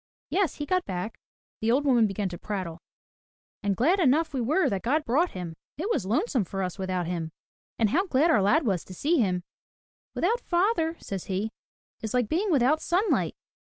"Yes, he got back," the old woman began to prattle. "And glad enough we were that God brought him. It was lonesome for us without him. And how glad our lad was to see him. *With out father,* says he, *is like being without sunlight.'